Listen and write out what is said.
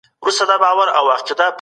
زمونږ ټولنه به تر نورو زيات پرمختګ وکړي.